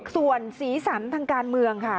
ส่วนศรีสรรค์ทางการเมืองค่ะ